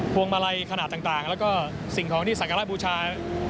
วงมาลัยขนาดต่างแล้วก็สิ่งของที่สักการะบูชา